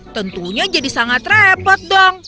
tentunya jadi sangat repot dong